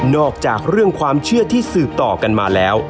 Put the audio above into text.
อกจากเรื่องความเชื่อที่สืบต่อกันมาแล้ว